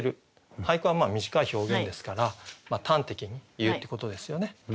俳句は短い表現ですから端的に言うってことですよね。